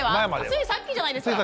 ついさっきじゃないですか。